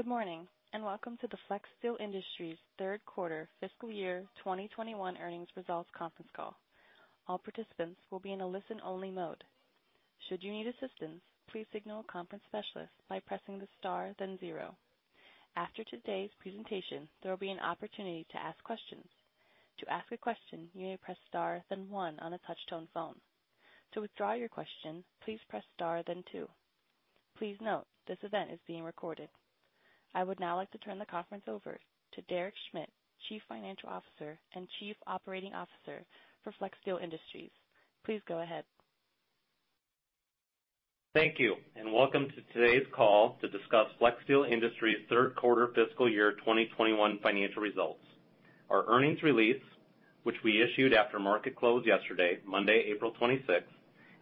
Good morning, and welcome to the Flexsteel Industries third quarter Fiscal Year 2021 earnings results conference call. All participants will be in a listen-only mode. Should you need assistance, please signal to the conference specialist by pressing the star then zero. After today's presentation, there will be an opportunity to ask questions. To ask a question, you may press star then one on the touchtone phone. O withdraw your question, please press star then two. Please note, this event is being recorded. I would now like to turn the conference over to Derek Schmidt, Chief Financial Officer and Chief Operating Officer for Flexsteel Industries. Please go ahead. Thank you, and welcome to today's call to discuss Flexsteel Industries' third quarter Fiscal Year 2021 financial results. Our earnings release, which we issued after market close yesterday, Monday, April 26,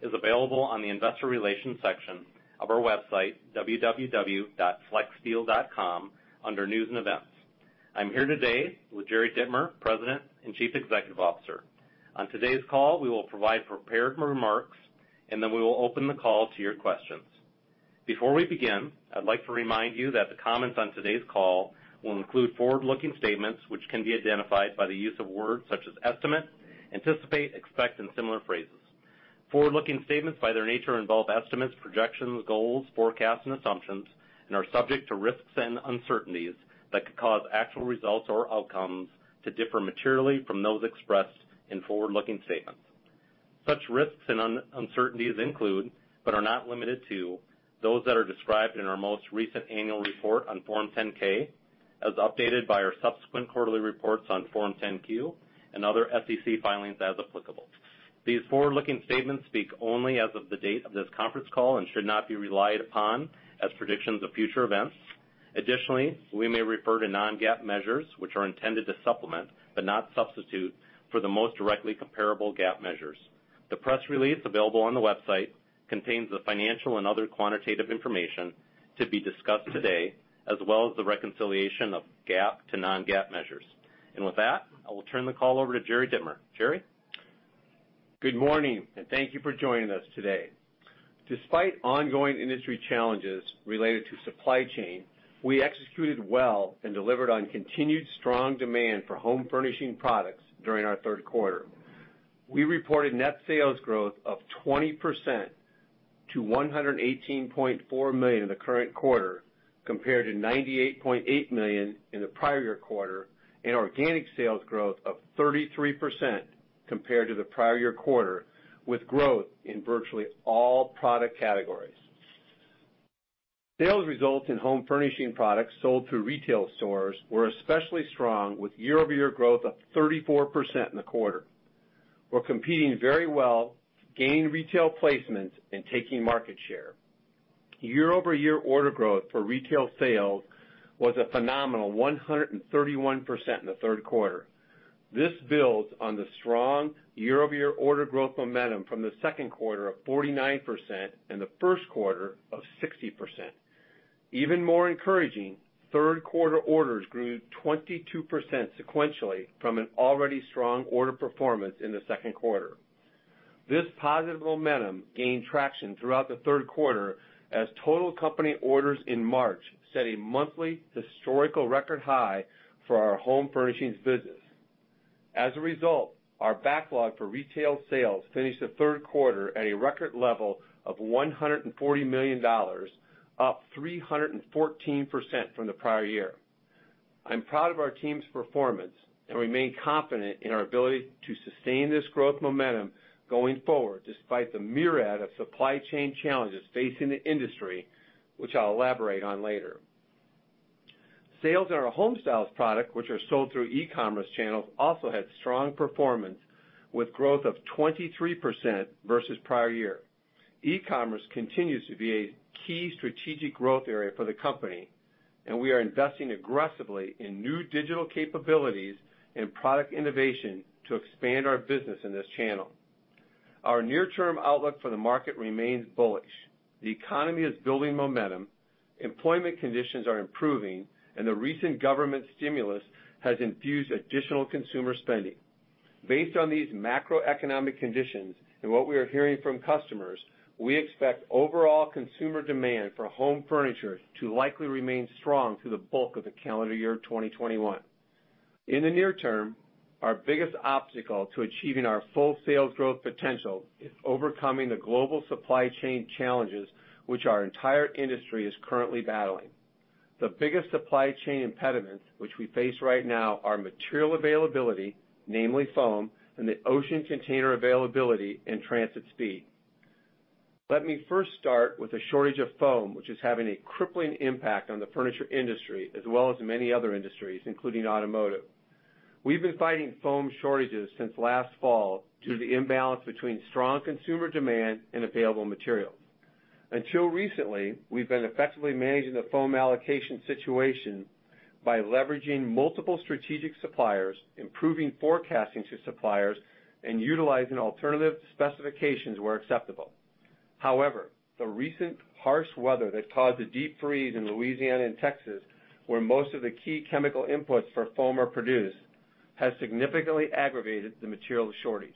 is available on the investor relations section of our website, www.flexsteel.com, under News and Events. I'm here today with Jerry Dittmer, President and Chief Executive Officer. On today's call, we will provide prepared remarks, and then we will open the call to your questions. Before we begin, I'd like to remind you that the comments on today's call will include forward-looking statements which can be identified by the use of words such as estimate, anticipate, expect, and similar phrases. Forward-looking statements, by their nature, involve estimates, projections, goals, forecasts, and assumptions, and are subject to risks and uncertainties that could cause actual results or outcomes to differ materially from those expressed in forward-looking statements. Such risks and uncertainties include, but are not limited to, those that are described in our most recent annual report on Form 10-K, as updated by our subsequent quarterly reports on Form 10-Q and other SEC filings as applicable. These forward-looking statements speak only as of the date of this conference call and should not be relied upon as predictions of future events. Additionally, we may refer to non-GAAP measures, which are intended to supplement, but not substitute, for the most directly comparable GAAP measures. The press release available on the website contains the financial and other quantitative information to be discussed today, as well as the reconciliation of GAAP to non-GAAP measures. With that, I will turn the call over to Jerry Dittmer. Jerry? Good morning, thank you for joining us today. Despite ongoing industry challenges related to supply chain, we executed well and delivered on continued strong demand for home furnishing products during our third quarter. We reported net sales growth of 20% to $118.4 million in the current quarter, compared to $98.8 million in the prior year quarter, and organic sales growth of 33% compared to the prior year quarter, with growth in virtually all product categories. Sales results in home furnishing products sold through retail stores were especially strong, with year-over-year growth of 34% in the quarter. We're competing very well, gaining retail placements, and taking market share. Year-over-year order growth for retail sales was a phenomenal 131% in the third quarter. This builds on the strong year-over-year order growth momentum from the second quarter of 49% and the first quarter of 60%. Even more encouraging, third quarter orders grew 22% sequentially from an already strong order performance in the second quarter. This positive momentum gained traction throughout the third quarter as total company orders in March set a monthly historical record high for our home furnishings business. As a result, our backlog for retail sales finished the third quarter at a record level of $140 million, up 314% from the prior year. I'm proud of our team's performance and remain confident in our ability to sustain this growth momentum going forward, despite the myriad of supply chain challenges facing the industry, which I'll elaborate on later. Sales in our Homestyles product, which are sold through e-commerce channels, also had strong performance, with growth of 23% versus prior year. E-commerce continues to be a key strategic growth area for the company, and we are investing aggressively in new digital capabilities and product innovation to expand our business in this channel. Our near-term outlook for the market remains bullish. The economy is building momentum, employment conditions are improving, and the recent government stimulus has infused additional consumer spending. Based on these macroeconomic conditions and what we are hearing from customers, we expect overall consumer demand for home furniture to likely remain strong through the bulk of the calendar year 2021. In the near term, our biggest obstacle to achieving our full sales growth potential is overcoming the global supply chain challenges which our entire industry is currently battling. The biggest supply chain impediments which we face right now are material availability, namely foam, and the ocean container availability and transit speed. Let me first start with the shortage of foam, which is having a crippling impact on the furniture industry, as well as many other industries, including automotive. We've been fighting foam shortages since last fall due to the imbalance between strong consumer demand and available materials. Until recently, we've been effectively managing the foam allocation situation by leveraging multiple strategic suppliers, improving forecasting to suppliers, and utilizing alternative specifications where acceptable. However, the recent harsh weather that caused a deep freeze in Louisiana and Texas, where most of the key chemical inputs for foam are produced, has significantly aggravated the material shortage.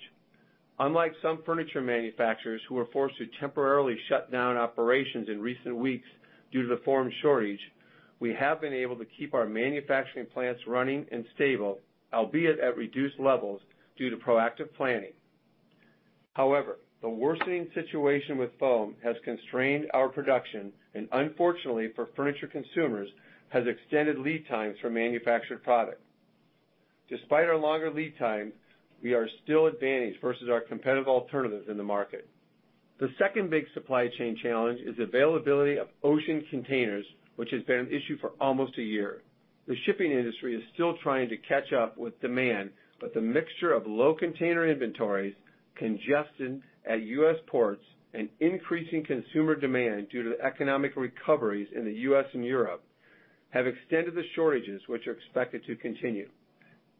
Unlike some furniture manufacturers who were forced to temporarily shut down operations in recent weeks due to the foam shortage, we have been able to keep our manufacturing plants running and stable, albeit at reduced levels due to proactive planning. However, the worsening situation with foam has constrained our production, and unfortunately for furniture consumers, has extended lead times for manufactured product. Despite our longer lead time, we are still advantaged versus our competitive alternatives in the market. The second big supply chain challenge is availability of ocean containers, which has been an issue for almost a year. The shipping industry is still trying to catch up with demand, but the mixture of low container inventories, congestion at U.S. ports, and increasing consumer demand due to the economic recoveries in the U.S. and Europe have extended the shortages, which are expected to continue.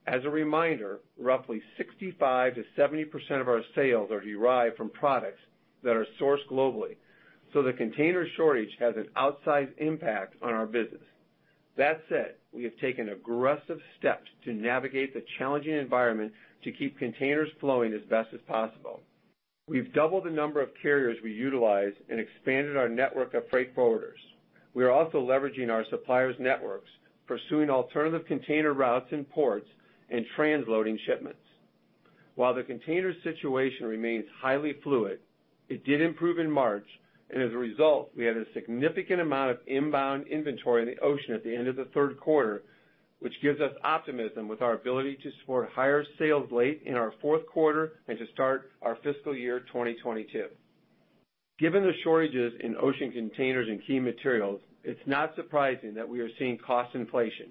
As a reminder, roughly 65%-70% of our sales are derived from products that are sourced globally, so the container shortage has an outsized impact on our business. That said, we have taken aggressive steps to navigate the challenging environment to keep containers flowing as best as possible. We've doubled the number of carriers we utilize and expanded our network of freight forwarders. We are also leveraging our suppliers' networks, pursuing alternative container routes and ports, and transloading shipments. While the container situation remains highly fluid, it did improve in March, and as a result, we had a significant amount of inbound inventory in the ocean at the end of the third quarter, which gives us optimism with our ability to support higher sales late in our fourth quarter and to start our fiscal year 2022. Given the shortages in ocean containers and key materials, it's not surprising that we are seeing cost inflation.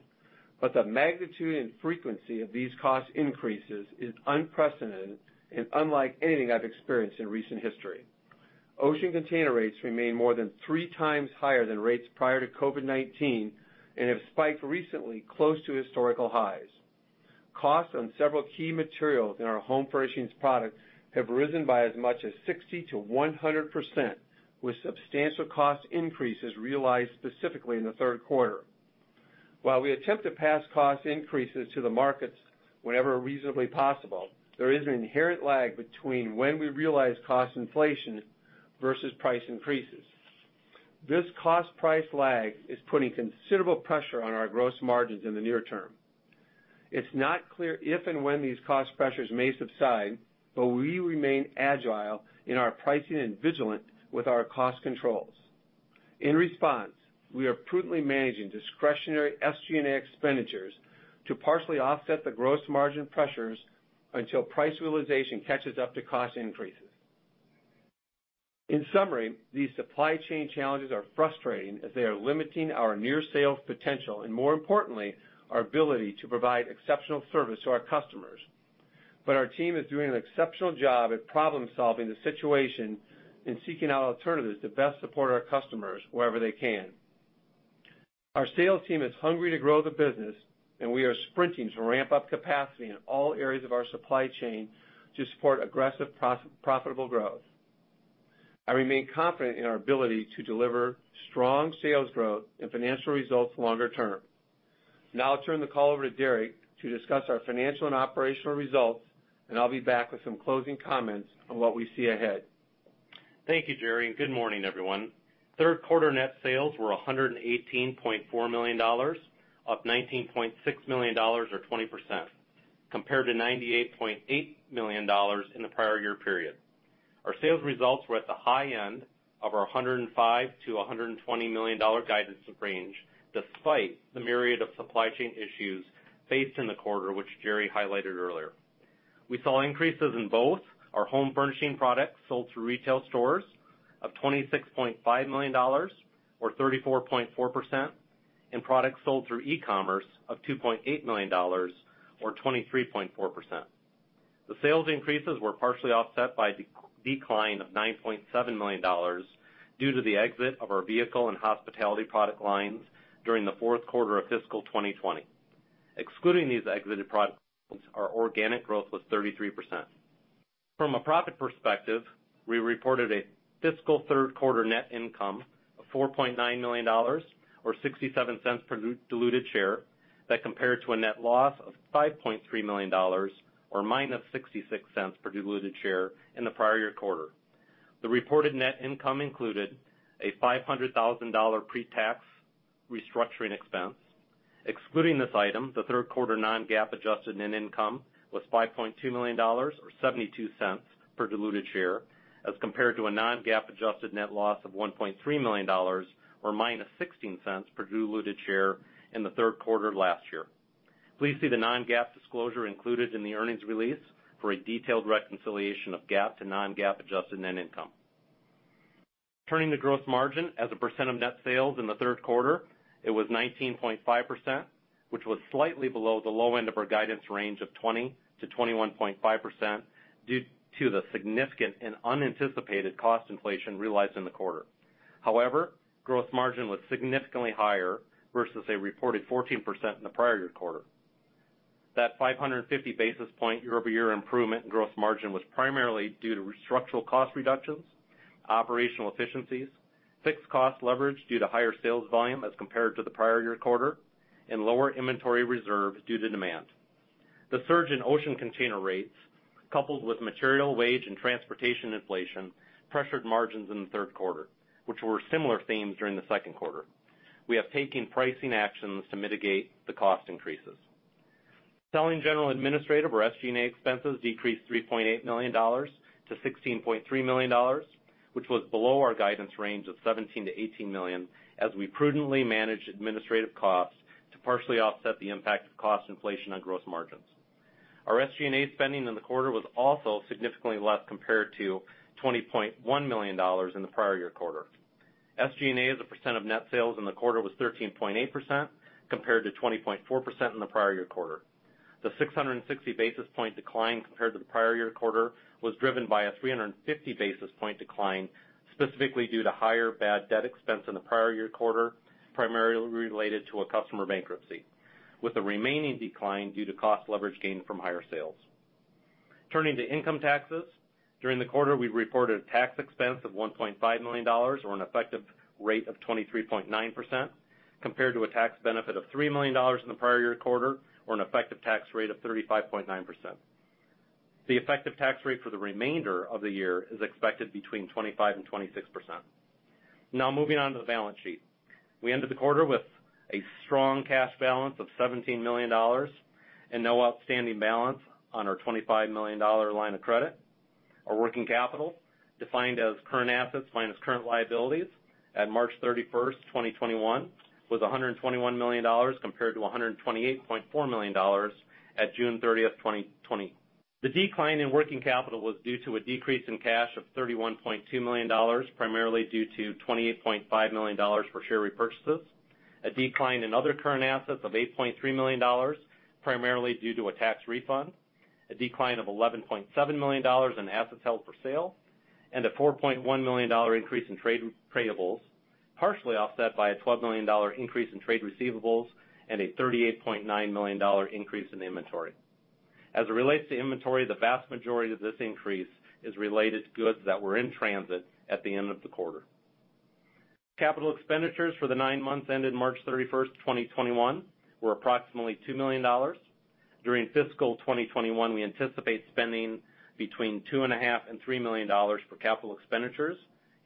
The magnitude and frequency of these cost increases is unprecedented and unlike anything I've experienced in recent history. Ocean container rates remain more than 3x higher than rates prior to COVID-19 and have spiked recently close to historical highs. Costs on several key materials in our home furnishings products have risen by as much as 60%-100%, with substantial cost increases realized specifically in the third quarter. While we attempt to pass cost increases to the markets whenever reasonably possible, there is an inherent lag between when we realize cost inflation versus price increases. This cost-price lag is putting considerable pressure on our gross margins in the near term. It's not clear if and when these cost pressures may subside, but we remain agile in our pricing and vigilant with our cost controls. In response, we are prudently managing discretionary SG&A expenditures to partially offset the gross margin pressures until price realization catches up to cost increases. In summary, these supply chain challenges are frustrating as they are limiting our near sales potential, and more importantly, our ability to provide exceptional service to our customers. Our team is doing an exceptional job at problem-solving the situation and seeking out alternatives to best support our customers wherever they can. Our sales team is hungry to grow the business, and we are sprinting to ramp up capacity in all areas of our supply chain to support aggressive profitable growth. I remain confident in our ability to deliver strong sales growth and financial results longer term. I'll turn the call over to Derek to discuss our financial and operational results, and I'll be back with some closing comments on what we see ahead. Thank you, Jerry, and good morning, everyone. Third quarter net sales were $118.4 million, up $19.6 million or 20%, compared to $98.8 million in the prior year period. Our sales results were at the high end of our $105 million-$120 million guidance range, despite the myriad of supply chain issues faced in the quarter, which Jerry highlighted earlier. We saw increases in both our home furnishing products sold through retail stores of $26.5 million, or 34.4%, and products sold through e-commerce of $2.8 million, or 23.4%. The sales increases were partially offset by decline of $9.7 million due to the exit of our vehicle and hospitality product lines during the fourth quarter of fiscal 2020. Excluding these exited products, our organic growth was 33%. From a profit perspective, we reported a fiscal third quarter net income of $4.9 million, or $0.67 per diluted share. That compared to a net loss of $5.3 million, or -$0.66 per diluted share in the prior year quarter. The reported net income included a $500,000 pre-tax restructuring expense. Excluding this item, the third quarter non-GAAP adjusted net income was $5.2 million, or $0.72 per diluted share, as compared to a non-GAAP adjusted net loss of $1.3 million, or -$0.16 per diluted share in the third quarter last year. Please see the non-GAAP disclosure included in the earnings release for a detailed reconciliation of GAAP to non-GAAP adjusted net income. Turning to gross margin as a percent of net sales in the third quarter, it was 19.5%, which was slightly below the low end of our guidance range of 20%-21.5% due to the significant and unanticipated cost inflation realized in the quarter. However, gross margin was significantly higher versus a reported 14% in the prior year quarter. That 550 basis point year-over-year improvement in gross margin was primarily due to structural cost reductions, operational efficiencies, fixed cost leverage due to higher sales volume as compared to the prior year quarter, and lower inventory reserve due to demand. The surge in ocean container rates, coupled with material wage and transportation inflation, pressured margins in the third quarter, which were similar themes during the second quarter. We have taken pricing actions to mitigate the cost increases. Selling general administrative or SG&A expenses decreased $3.8 million to $16.3 million, which was below our guidance range of $17 million-$18 million, as we prudently managed administrative costs to partially offset the impact of cost inflation on gross margins. Our SG&A spending in the quarter was also significantly less compared to $20.1 million in the prior year quarter. SG&A as a percent of net sales in the quarter was 13.8%, compared to 20.4% in the prior year quarter. The 660 basis point decline compared to the prior year quarter was driven by a 350 basis point decline, specifically due to higher bad debt expense in the prior year quarter, primarily related to a customer bankruptcy, with the remaining decline due to cost leverage gain from higher sales. Turning to income taxes. During the quarter, we reported tax expense of $1.5 million, or an effective rate of 23.9%, compared to a tax benefit of $3 million in the prior year quarter, or an effective tax rate of 35.9%. The effective tax rate for the remainder of the year is expected between 25% and 26%. Moving on to the balance sheet. We ended the quarter with a strong cash balance of $17 million and no outstanding balance on our $25 million line of credit. Our working capital, defined as current assets minus current liabilities at March 31st, 2021, was $121 million compared to $128.4 million at June 30th, 2020. The decline in working capital was due to a decrease in cash of $31.2 million, primarily due to $28.5 million for share repurchases, a decline in other current assets of $8.3 million, primarily due to a tax refund, a decline of $11.7 million in assets held for sale, and a $4.1 million increase in trade payables, partially offset by a $12 million increase in trade receivables and a $38.9 million increase in inventory. As it relates to inventory, the vast majority of this increase is related to goods that were in transit at the end of the quarter. Capital expenditures for the nine months ended March 31st, 2021, were approximately $2 million. During fiscal 2021, we anticipate spending between $2.5 million and $3 million for capital expenditures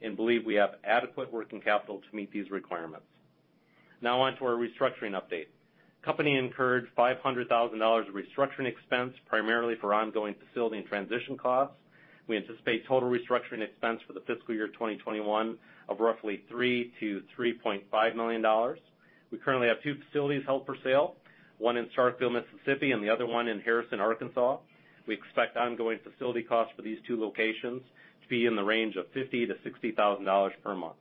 and believe we have adequate working capital to meet these requirements. Now on to our restructuring update. The company incurred $500,000 of restructuring expense, primarily for ongoing facility and transition costs. We anticipate total restructuring expense for the Fiscal Year 2021 of roughly $3 million-$3.5 million. We currently have two facilities held for sale, one in Starkville, Mississippi, and the other one in Harrison, Arkansas. We expect ongoing facility costs for these two locations to be in the range of $50,000-$60,000 per month.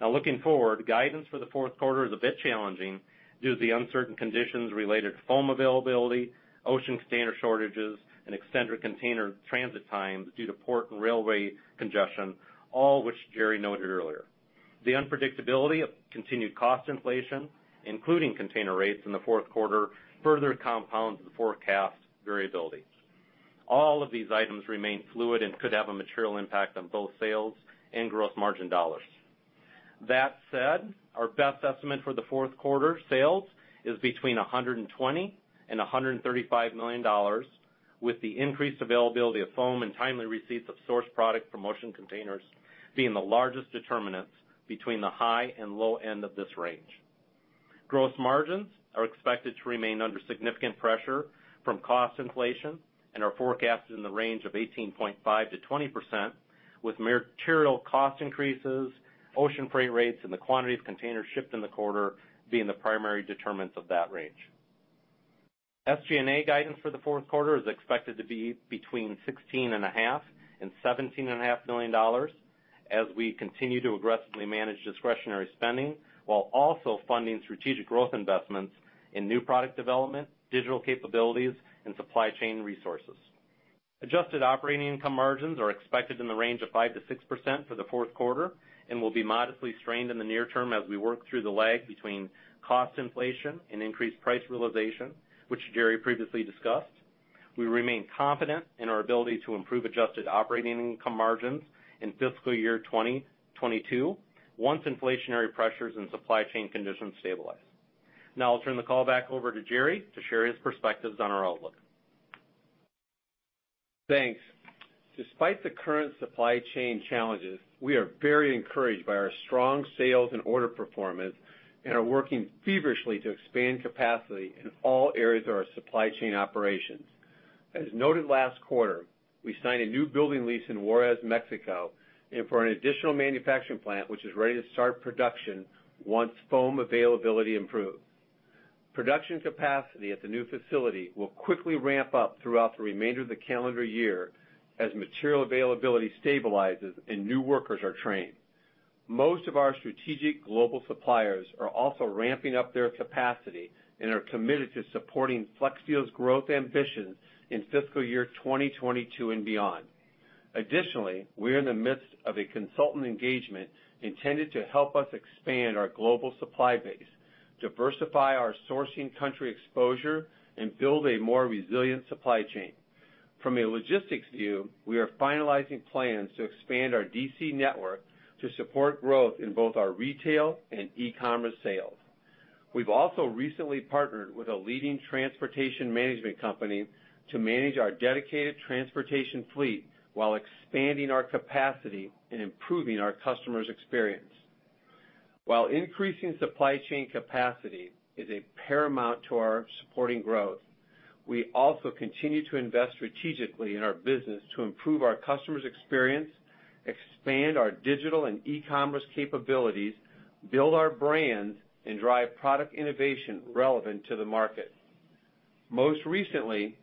Now, looking forward, guidance for the fourth quarter is a bit challenging due to the uncertain conditions related to foam availability, ocean container shortages, and extended container transit times due to port and railway congestion, all which Jerry noted earlier. The unpredictability of continued cost inflation, including container rates in the fourth quarter, further compounds the forecast variability. All of these items remain fluid and could have a material impact on both sales and gross margin dollars. That said, our best estimate for the fourth quarter sales is between $120 million and $135 million, with the increased availability of foam and timely receipts of sourced product from ocean containers being the largest determinants between the high and low end of this range. Gross margins are expected to remain under significant pressure from cost inflation and are forecasted in the range of 18.5%-20%, with material cost increases, ocean freight rates, and the quantity of containers shipped in the quarter being the primary determinants of that range. SG&A guidance for the fourth quarter is expected to be between $16.5 million and $17.5 million as we continue to aggressively manage discretionary spending while also funding strategic growth investments in new product development, digital capabilities, and supply chain resources. Adjusted operating income margins are expected in the range of 5%-6% for the fourth quarter and will be modestly strained in the near term as we work through the lag between cost inflation and increased price realization, which Jerry previously discussed. We remain confident in our ability to improve adjusted operating income margins in fiscal year 2022 once inflationary pressures and supply chain conditions stabilize. I'll turn the call back over to Jerry to share his perspectives on our outlook. Thanks. Despite the current supply chain challenges, we are very encouraged by our strong sales and order performance and are working feverishly to expand capacity in all areas of our supply chain operations. As noted last quarter, we signed a new building lease in Juarez, Mexico, for an additional manufacturing plant, which is ready to start production once foam availability improves. Production capacity at the new facility will quickly ramp up throughout the remainder of the calendar year as material availability stabilizes and new workers are trained. Most of our strategic global suppliers are also ramping up their capacity and are committed to supporting Flexsteel's growth ambitions in Fiscal Year 2022 and beyond. Additionally, we are in the midst of a consultant engagement intended to help us expand our global supply base, diversify our sourcing country exposure, and build a more resilient supply chain. From a logistics view, we are finalizing plans to expand our DC network to support growth in both our retail and e-commerce sales. We've also recently partnered with a leading transportation management company to manage our dedicated transportation fleet while expanding our capacity and improving our customers' experience. While increasing supply chain capacity is paramount to our supporting growth, we also continue to invest strategically in our business to improve our customers' experience, expand our digital and e-commerce capabilities, build our brand, and drive product innovation relevant to the market. Most recently,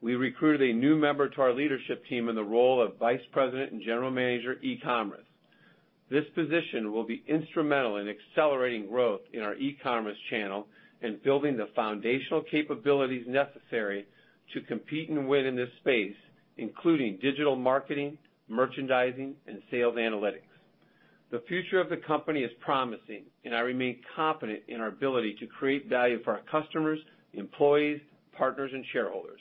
we recruited a new member to our leadership team in the role of Vice President and General Manager of e-commerce. This position will be instrumental in accelerating growth in our e-commerce channel and building the foundational capabilities necessary to compete and win in this space, including digital marketing, merchandising, and sales analytics. The future of the company is promising, and I remain confident in our ability to create value for our customers, employees, partners, and shareholders.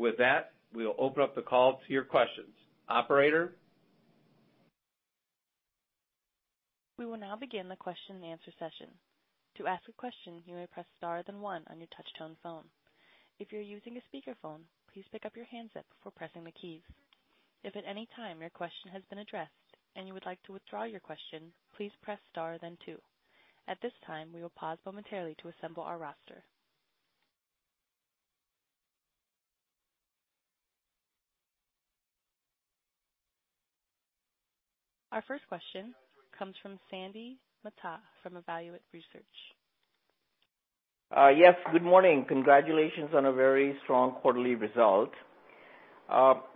With that, we'll open up the call to your questions. Operator? We will now begin the question and answer session. To ask a question, you may press star then one on your touchtone phone. If you're using a speakerphone, please pickup your handset before pressing the keys. If at anytime your question has been addressed and would like to withdraw your question, please press star then two. At this time, we will pause momentarily to assemble our roster. Our first question comes from Sandy Mehta from Evaluate Research. Yes, good morning. Congratulations on a very strong quarterly result.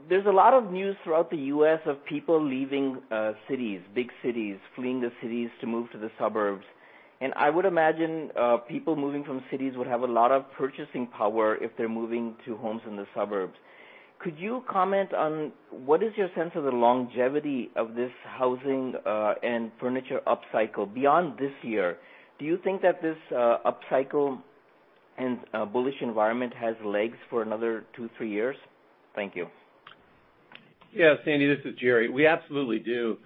There's a lot of news throughout the U.S. of people leaving cities, big cities, fleeing the cities to move to the suburbs. I would imagine people moving from cities would have a lot of purchasing power if they're moving to homes in the suburbs. Could you comment on what is your sense of the longevity of this housing and furniture upcycle beyond this year? Do you think that this upcycle and bullish environment has legs for another two, three years? Thank you. Yes, Sandy, this is Jerry. We absolutely do.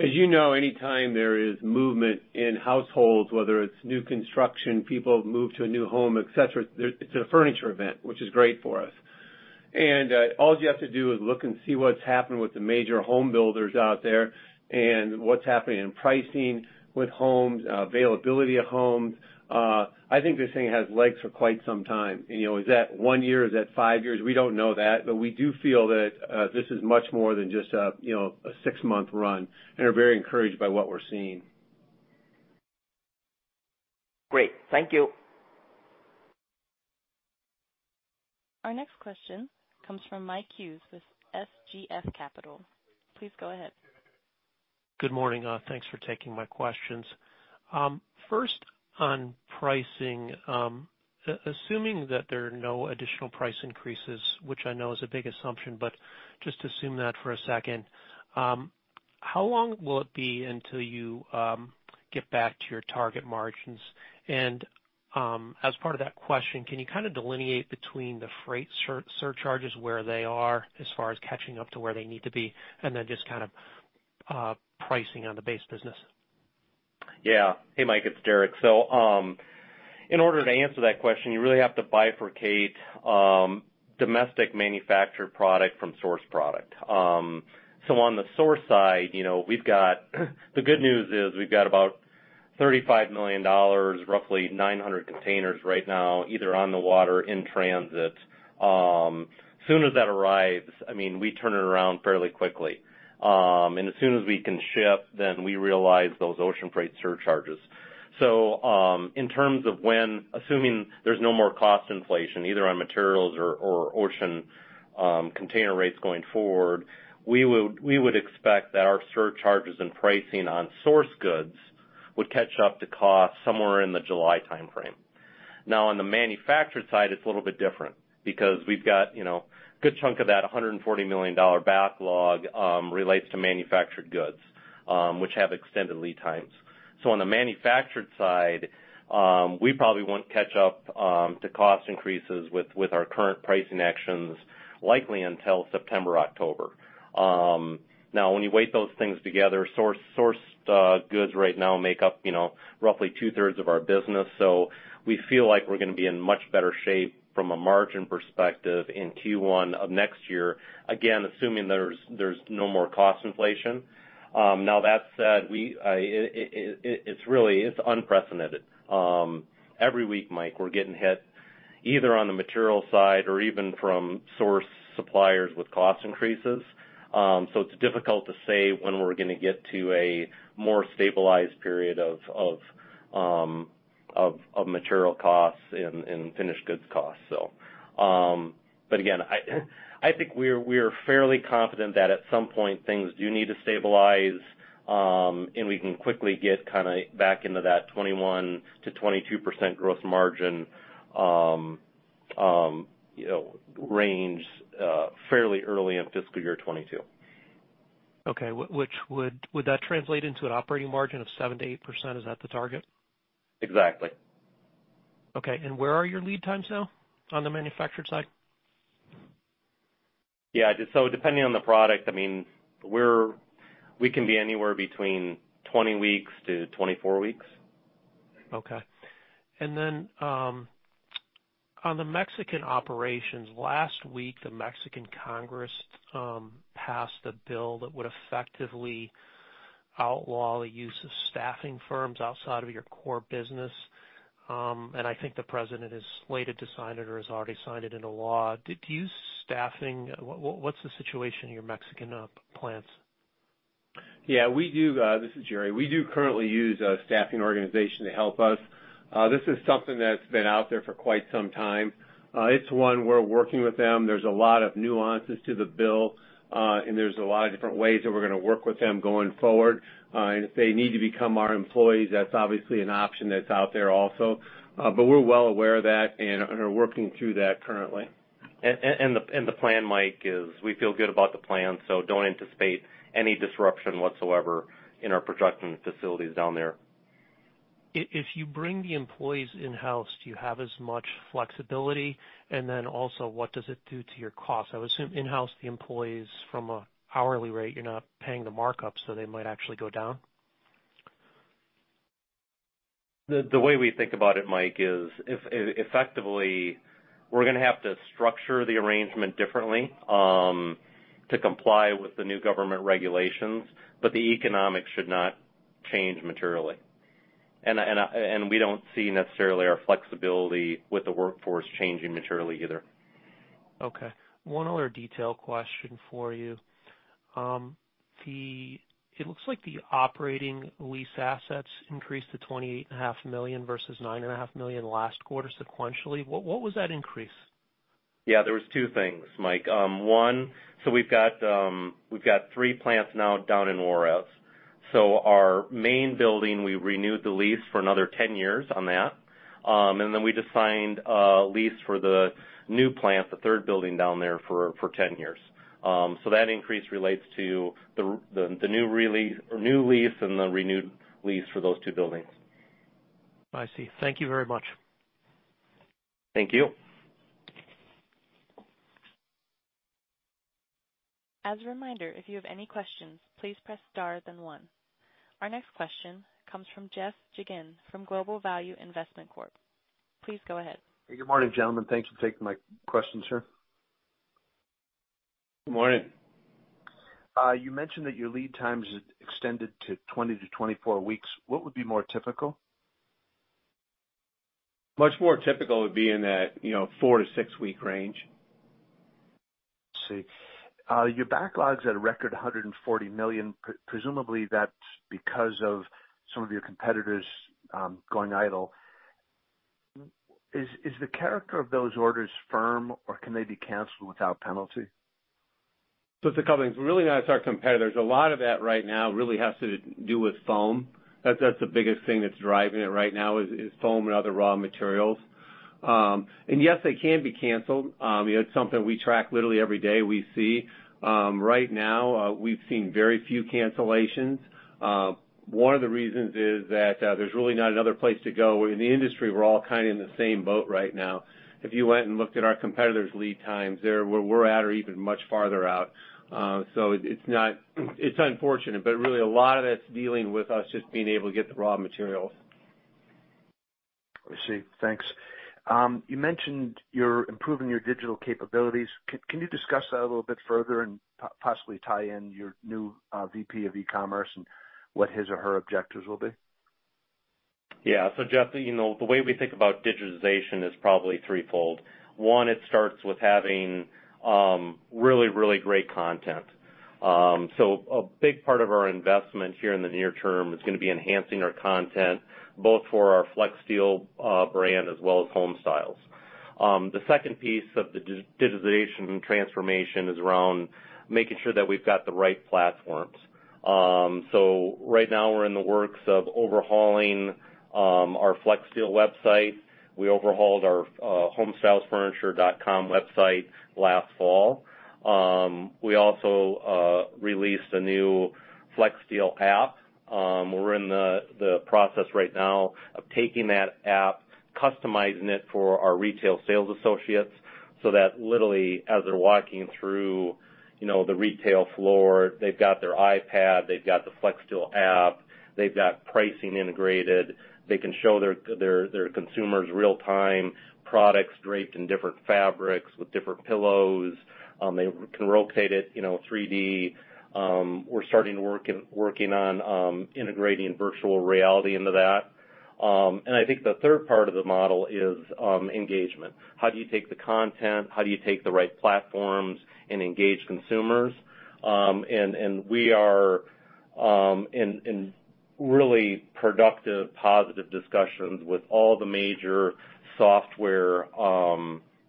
As you know, anytime there is movement in households, whether it's new construction, people move to a new home, et cetera, it's a furniture event, which is great for us. All you have to do is look and see what's happened with the major home builders out there and what's happening in pricing with homes, availability of homes. I think this thing has legs for quite some time. Is that one year? Is that five years? We don't know that, but we do feel that this is much more than just a six-month run, and are very encouraged by what we're seeing. Great. Thank you. Our next question comes from Mike Hughes with SGF Capital. Please go ahead. Good morning. Thanks for taking my questions. First, on pricing, assuming that there are no additional price increases, which I know is a big assumption, but just assume that for a second. How long will it be until you get back to your target margins? As part of that question, can you delineate between the freight surcharges, where they are as far as catching up to where they need to be, and then just pricing on the base business? Yeah. Hey, Mike, it's Derek. In order to answer that question, you really have to bifurcate domestic manufactured product from source product. On the source side, the good news is we've got about $35 million, roughly 900 containers right now, either on the water or in transit. Soon as that arrives, we turn it around fairly quickly. As soon as we can ship, then we realize those ocean freight surcharges. In terms of when, assuming there's no more cost inflation, either on materials or ocean container rates going forward, we would expect that our surcharges and pricing on source goods would catch up to cost somewhere in the July timeframe. On the manufactured side, it's a little bit different because we've got a good chunk of that $140 million backlog relates to manufactured goods, which have extended lead times. On the manufactured side, we probably won't catch up to cost increases with our current pricing actions likely until September, October. When you weigh those things together, sourced goods right now make up roughly 2/3 of our business. We feel like we're going to be in much better shape from a margin perspective in Q1 of next year, again, assuming there's no more cost inflation. That said, it's unprecedented. Every week, Mike, we're getting hit either on the material side or even from source suppliers with cost increases. It's difficult to say when we're going to get to a more stabilized period of material costs and finished goods costs. Again, I think we are fairly confident that at some point things do need to stabilize, and we can quickly get back into that 21%-22% growth margin range fairly early in Fiscal Year 2022. Okay. Would that translate into an operating margin of 7%-8%? Is that the target? Exactly. Okay. Where are your lead times now on the manufactured side? Yeah. Depending on the product, we can be anywhere between 20-24 weeks. Okay. On the Mexican operations, last week, the Mexican Congress passed a bill that would effectively outlaw the use of staffing firms outside of your core business. I think the President is slated to sign it or has already signed it into law. Do you use staffing? What's the situation in your Mexican plants? Yeah. This is Jerry. We do currently use a staffing organization to help us. This is something that's been out there for quite some time. It's one, we're working with them. There's a lot of nuances to the bill. There's a lot of different ways that we're going to work with them going forward. If they need to become our employees, that's obviously an option that's out there also. We're well aware of that and are working through that currently. The plan, Mike, is we feel good about the plan, so don't anticipate any disruption whatsoever in our production facilities down there. If you bring the employees in-house, do you have as much flexibility? Also, what does it do to your cost? I would assume in-house the employees from an hourly rate, you're not paying the markups, so they might actually go down. The way we think about it, Mike, is effectively, we're going to have to structure the arrangement differently to comply with the new government regulations. The economics should not change materially. We don't see necessarily our flexibility with the workforce changing materially either. Okay. One other detail question for you. It looks like the operating lease assets increased to $28.5 million versus $9.5 million last quarter sequentially. What was that increase? Yeah. There was two things, Mike. One, we've got three plants now down in Juarez. Our main building, we renewed the lease for another 10 years on that. We just signed a lease for the new plant, the third building down there for 10 years. That increase relates to the new lease and the renewed lease for those two buildings. I see. Thank you very much. Thank you. As a reminder, if you have any questions, please press star then one. Our next question comes from Jeff Geygan from Global Value Investment Corp. Please go ahead. Good morning, gentlemen. Thanks for taking my question, sir. Good morning. You mentioned that your lead times extended to 20-24 weeks. What would be more typical? Much more typical would be in that four to six week range. I see. Your backlogs at a record $140 million, presumably that's because of some of your competitors going idle. Is the character of those orders firm, or can they be canceled without penalty? It's a couple things. Really not it's our competitors. A lot of that right now really has to do with foam. That's the biggest thing that's driving it right now is foam and other raw materials. Yes, they can be canceled. It's something we track literally every day we see. Right now, we've seen very few cancellations. One of the reasons is that there's really not another place to go. In the industry, we're all kind of in the same boat right now. If you went and looked at our competitors' lead times, they're where we're at or even much farther out. It's unfortunate, but really a lot of that's dealing with us just being able to get the raw materials. I see. Thanks. You mentioned you're improving your digital capabilities. Can you discuss that a little bit further and possibly tie in your new VP of e-commerce and what his or her objectives will be? Yeah. Jeff, the way we think about digitization is probably threefold. One, it starts with having really, really great content. A big part of our investment here in the near term is going to be enhancing our content, both for our Flexsteel brand as well as Homestyles. The second piece of the digitization transformation is around making sure that we've got the right platforms. Right now we're in the works of overhauling our Flexsteel website. We overhauled our homestylesfurniture.com website last fall. We also released a new Flexsteel app. We're in the process right now of taking that app, customizing it for our retail sales associates, so that literally as they're walking through the retail floor, they've got their iPad, they've got the Flexsteel app, they've got pricing integrated. They can show their consumers real time products draped in different fabrics with different pillows. They can rotate it 3D. We're starting working on integrating virtual reality into that. I think the third part of the model is engagement. How do you take the content, how do you take the right platforms and engage consumers? We are in really productive, positive discussions with all the major software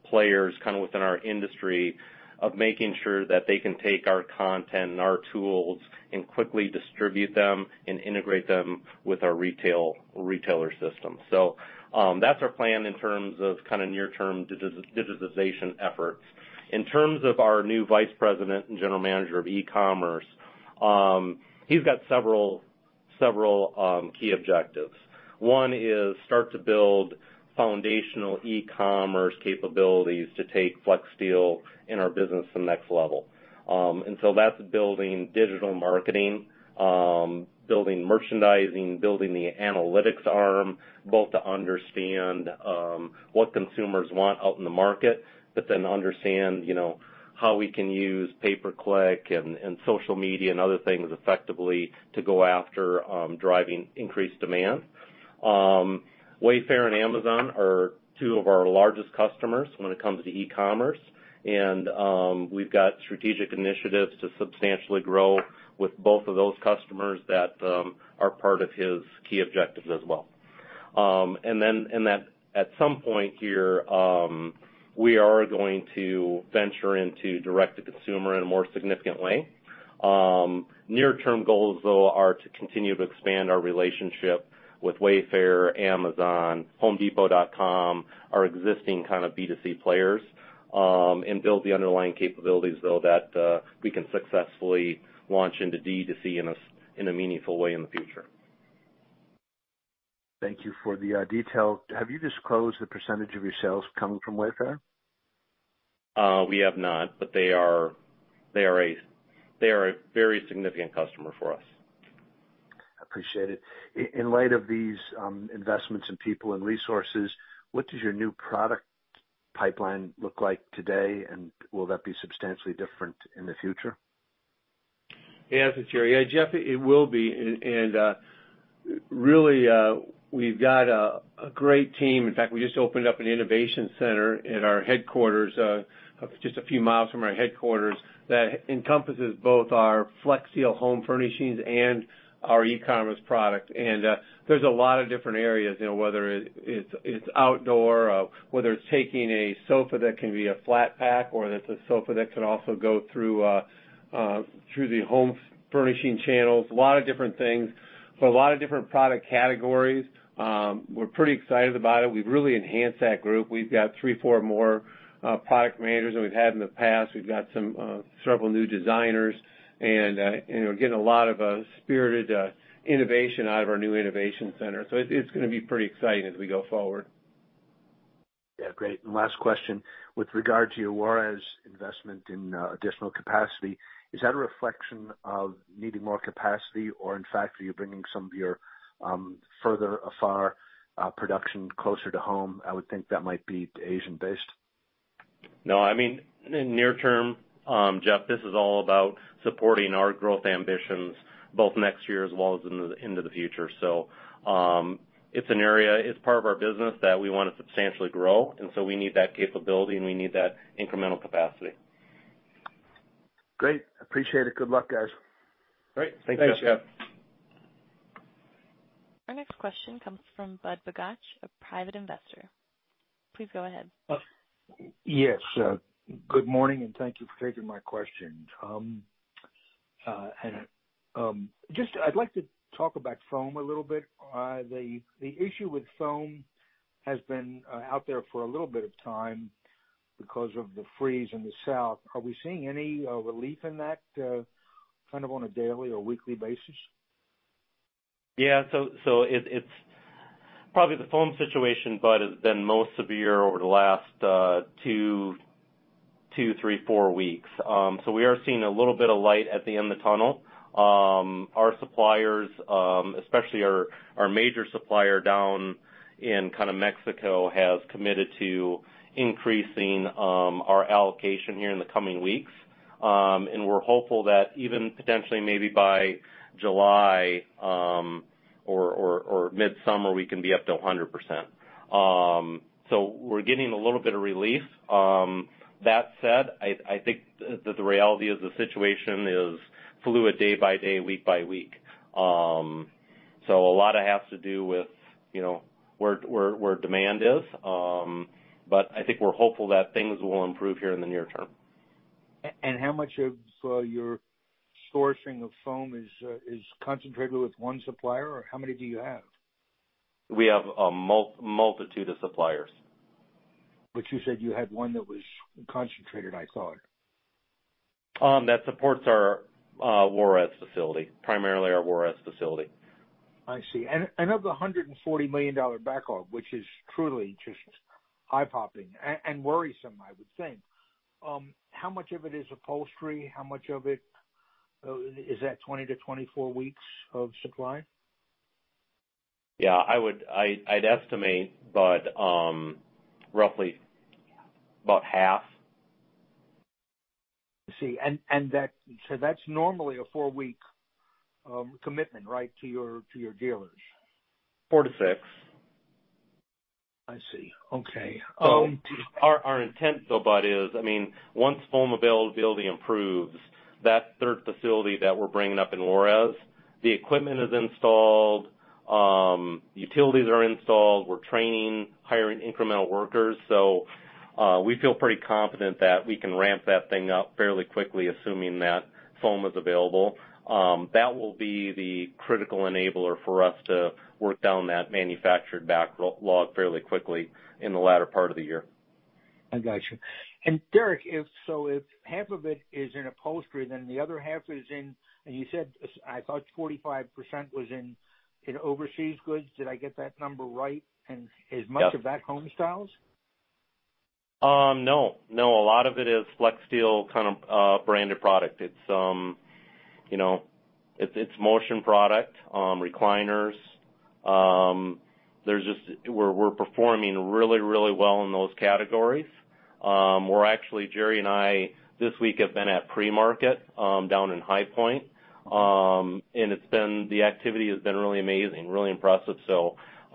players kind of within our industry of making sure that they can take our content and our tools and quickly distribute them and integrate them with our retailer system. That's our plan in terms of kind of near term digitization efforts. In terms of our new vice president and general manager of e-commerce, he's got several key objectives. One is start to build foundational e-commerce capabilities to take Flexsteel and our business to the next level. That's building digital marketing, building merchandising, building the analytics arm, both to understand what consumers want out in the market, but then understand how we can use pay-per-click and social media and other things effectively to go after driving increased demand. Wayfair and Amazon are two of our largest customers when it comes to e-commerce, and we've got strategic initiatives to substantially grow with both of those customers that are part of his key objectives as well. At some point here, we are going to venture into direct-to-consumer in a more significant way. Near-term goals, though, are to continue to expand our relationship with Wayfair, Amazon, homedepot.com, our existing kind of B2C players, and build the underlying capabilities, though, that we can successfully launch into D2C in a meaningful way in the future. Thank you for the detail. Have you disclosed the percentage of your sales coming from Wayfair? We have not, but they are a very significant customer for us. Appreciate it. In light of these investments in people and resources, what does your new product pipeline look like today, and will that be substantially different in the future? Answer, Jerry. Yeah, Jeff, it will be. Really, we've got a great team. In fact, we just opened up an innovation center just a few miles from our headquarters that encompasses both our Flexsteel home furnishings and our e-commerce product. There's a lot of different areas, whether it's outdoor, whether it's taking a sofa that can be a flat pack or that's a sofa that can also go through the home furnishing channels. A lot of different things. A lot of different product categories. We're pretty excited about it. We've really enhanced that group. We've got three, four more product managers than we've had in the past. We've got several new designers, and getting a lot of spirited innovation out of our new innovation center. It's going to be pretty exciting as we go forward. Yeah, great. Last question. With regard to your Juarez investment in additional capacity, is that a reflection of needing more capacity, or in fact, are you bringing some of your further afar production closer to home? I would think that might be Asian-based. No, in near term, Jeff, this is all about supporting our growth ambitions both next year as well as into the future. It's part of our business that we want to substantially grow, and so we need that capability, and we need that incremental capacity. Great. Appreciate it. Good luck, guys. Great. Thanks, Jeff. Thanks, Jeff. Our next question comes from Bud Bugatch, a private investor. Please go ahead. Yes. Good morning, and thank you for taking my questions. I'd like to talk about foam a little bit. The issue with foam has been out there for a little bit of time because of the freeze in the South. Are we seeing any relief in that kind of on a daily or weekly basis? Yeah. Probably the foam situation, Bud, has been most severe over the last two, three, four weeks. We are seeing a little bit of light at the end of the tunnel. Our suppliers, especially our major supplier down in Mexico, have committed to increasing our allocation here in the coming weeks. We're hopeful that even potentially maybe by July or midsummer, we can be up to 100%. We're getting a little bit of relief. That said, I think that the reality of the situation is fluid day by day, week by week. A lot has to do with where demand is. I think we're hopeful that things will improve here in the near term. How much of your sourcing of foam is concentrated with one supplier, or how many do you have? We have a multitude of suppliers. You said you had one that was concentrated, I thought. That supports our Juarez facility, primarily our Juarez facility. I see. Of the $140 million backlog, which is truly just eye-popping and worrisome, I would think. How much of it is upholstery? Is that 20-24 weeks of supply? Yeah, I'd estimate roughly about half. I see. That's normally a four-week commitment, right, to your dealers? Four to six. I see. Okay. Our intent though, Bud, is once foam availability improves, that third facility that we're bringing up in Juarez, the equipment is installed, utilities are installed. We're training, hiring incremental workers. We feel pretty confident that we can ramp that thing up fairly quickly, assuming that foam is available. That will be the critical enabler for us to work down that manufactured backlog fairly quickly in the latter part of the year. I got you. Derek, if half of it is in upholstery, then the other half is in, and you said, I thought 45% was in overseas goods. Did I get that number right? Yep. Is much of that Homestyles? No. A lot of it is Flexsteel kind of branded product. It's motion product, recliners. We're performing really well in those categories. Where actually Jerry and I, this week, have been at Premarket, down in High Point. The activity has been really amazing, really impressive.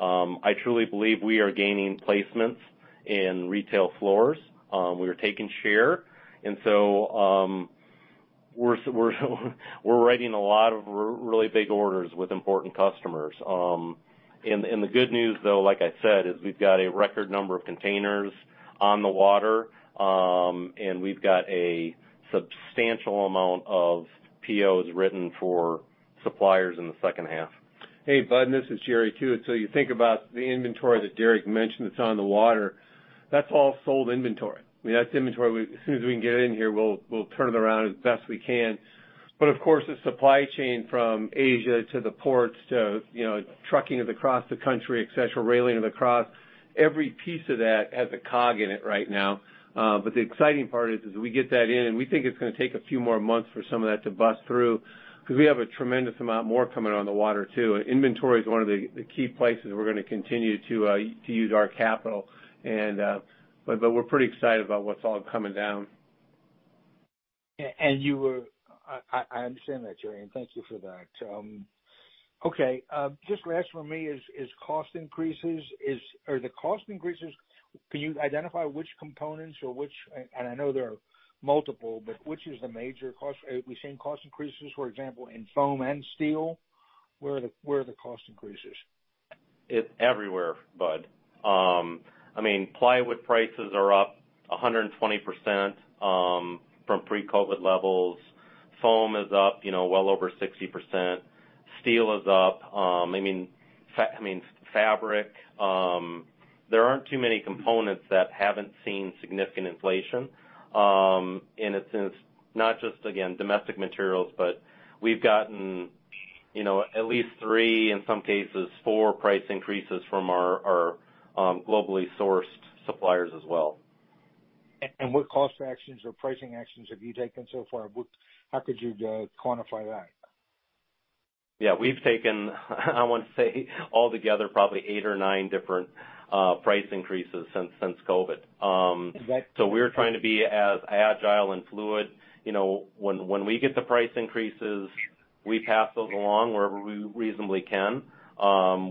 I truly believe we are gaining placements in retail floors. We are taking share. We're writing a lot of really big orders with important customers. The good news, though, like I said, is we've got a record number of containers on the water. We've got a substantial amount of POs written for suppliers in the second half. Hey, Bud, this is Jerry. You think about the inventory that Derek mentioned that's on the water, that's all sold inventory. That's inventory as soon as we can get in here, we'll turn it around as best we can. Of course, the supply chain from Asia to the ports to trucking it across the country, et cetera, railing it across, every piece of that has a cog in it right now. The exciting part is we get that in, and we think it's gonna take a few more months for some of that to bust through, because we have a tremendous amount more coming on the water, too. Inventory is one of the key places we're gonna continue to use our capital. We're pretty excited about what's all coming down. I understand that, Jerry, and thank you for that. Okay. Just last from me is, cost increases. Can you identify which components or which, and I know there are multiple, but which is the major cost? Are we seeing cost increases, for example, in foam and steel? Where are the cost increases? It's everywhere, Bud. Plywood prices are up 120% from pre-COVID levels. Foam is up well over 60%. Steel is up. Fabric. There aren't too many components that haven't seen significant inflation. It's not just, again, domestic materials, but we've gotten at least three, in some cases, four price increases from our globally sourced suppliers as well. What cost actions or pricing actions have you taken so far? How could you quantify that? Yeah. We've taken, I want to say, altogether, probably eight or nine different price increases since COVID. We're trying to be as agile and fluid. When we get the price increases, we pass those along wherever we reasonably can.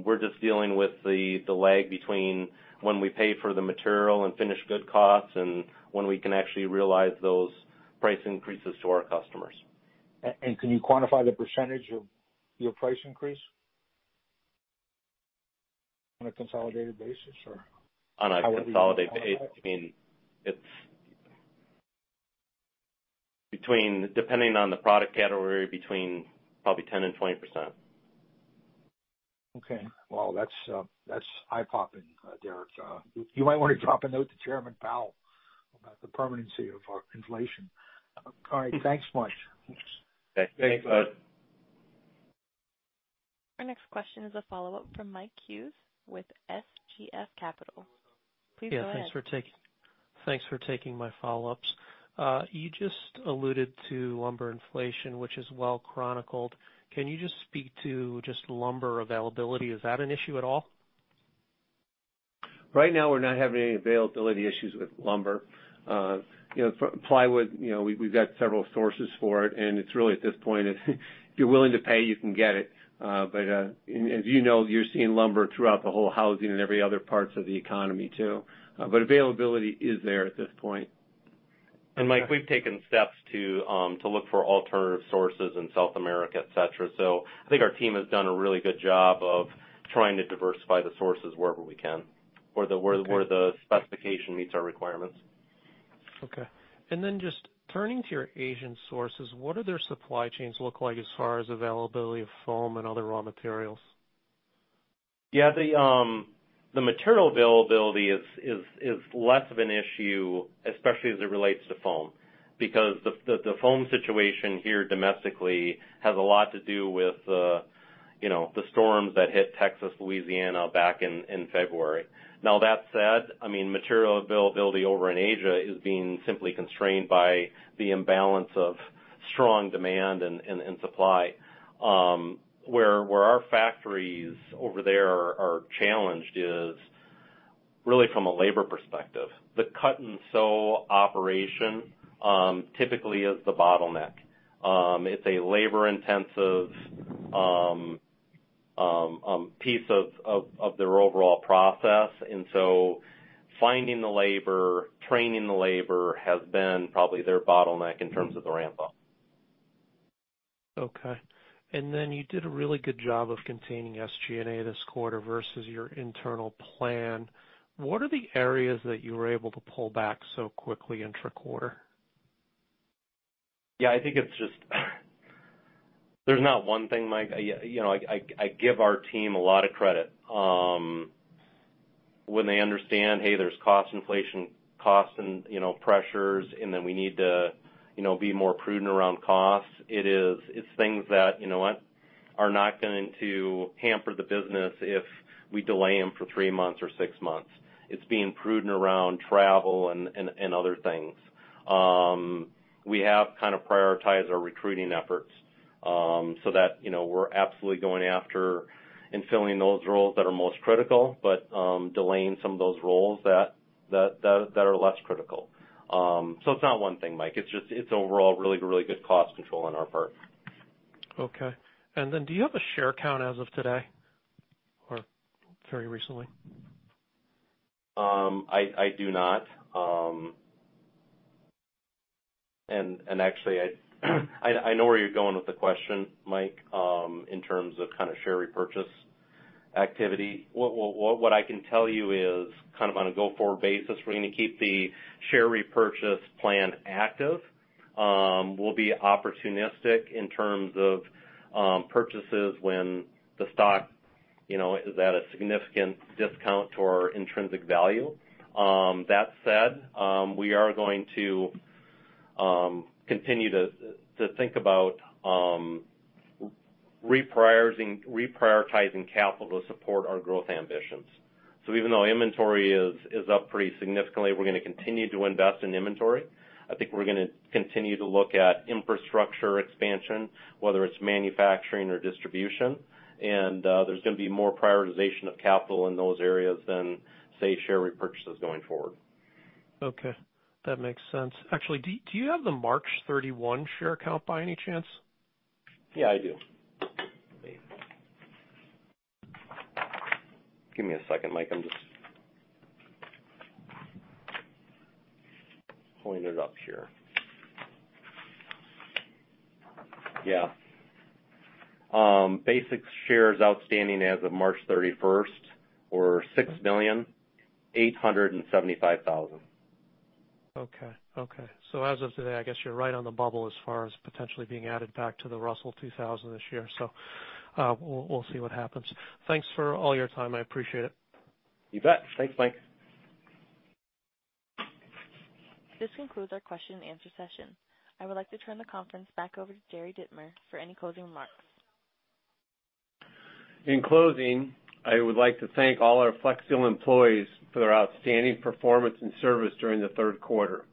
We're just dealing with the lag between when we pay for the material and finished good costs and when we can actually realize those price increases to our customers. Can you quantify the percentage of your price increase? On a consolidated basis, or how would you quantify that? Depending on the product category, between probably 10% and 20%. Okay. Well, that's eye-popping, Derek. You might want to drop a note to Chairman Powell about the permanency of inflation. All right. Thanks much. Okay. Thanks, Bud. Our next question is a follow-up from Mike Hughes with SGF Capital. Please go ahead. Yeah, thanks for taking my follow-ups. You just alluded to lumber inflation, which is well chronicled. Can you just speak to just lumber availability? Is that an issue at all? Right now, we're not having any availability issues with lumber. Plywood, we've got several sources for it, and it's really at this point, if you're willing to pay, you can get it. As you know, you're seeing lumber throughout the whole housing and every other parts of the economy, too. Availability is there at this point. Mike, we've taken steps to look for alternative sources in South America, et cetera. I think our team has done a really good job of trying to diversify the sources wherever we can, where the specification meets our requirements. Okay. Just turning to your Asian sources, what do their supply chains look like as far as availability of foam and other raw materials? Yeah, the material availability is less of an issue, especially as it relates to foam. The foam situation here domestically has a lot to do with the storms that hit Texas, Louisiana back in February. Now, that said, material availability over in Asia is being simply constrained by the imbalance of strong demand and supply. Where our factories over there are challenged is really from a labor perspective. The cut and sew operation typically is the bottleneck. It's a labor intensive piece of their overall process. Finding the labor, training the labor has been probably their bottleneck in terms of the ramp up. Okay. You did a really good job of containing SG&A this quarter versus your internal plan. What are the areas that you were able to pull back so quickly intra-quarter? Yeah, I think it's just there's not one thing, Mike. I give our team a lot of credit. When they understand, hey, there's cost inflation, costs, and pressures, and then we need to be more prudent around costs. It's things that are not going to hamper the business if we delay them for three months or six months. It's being prudent around travel and other things. We have prioritized our recruiting efforts, so that we're absolutely going after and filling those roles that are most critical, but delaying some of those roles that are less critical. It's not one thing, Mike. It's overall really good cost control on our part. Okay. Then do you have a share count as of today or very recently? I do not. Actually, I know where you're going with the question, Mike, in terms of share repurchase activity. What I can tell you is on a go-forward basis, we're going to keep the share repurchase plan active. We'll be opportunistic in terms of purchases when the stock is at a significant discount to our intrinsic value. That said, we are going to continue to think about reprioritizing capital to support our growth ambitions. Even though inventory is up pretty significantly, we're going to continue to invest in inventory. I think we're going to continue to look at infrastructure expansion, whether it's manufacturing or distribution. There's going to be more prioritization of capital in those areas than, say, share repurchases going forward. Okay. That makes sense. Actually, do you have the March 31 share count by any chance? Yeah, I do. Give me a second, Mike. I'm just pulling it up here. Yeah. Basic shares outstanding as of March 31st were 6,875,000. Okay. As of today, I guess you're right on the bubble as far as potentially being added back to the Russell 2000 this year. We'll see what happens. Thanks for all your time. I appreciate it. You bet. Thanks, Mike. This concludes our question and answer session. I would like to turn the conference back over to Jerry Dittmer for any closing remarks. In closing, I would like to thank all our Flexsteel employees for their outstanding performance and service during the third quarter.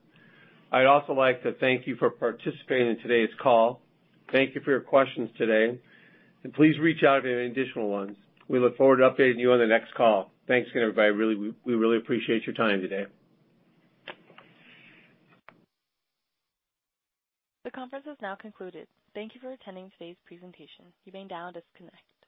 I'd also like to thank you for participating in today's call. Thank you for your questions today, please reach out with any additional ones. We look forward to updating you on the next call. Thanks again, everybody. We really appreciate your time today. The conference has now concluded. Thank you for attending today's presentation. You may now disconnect.